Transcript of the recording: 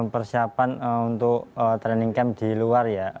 persiapan untuk training camp di luar ya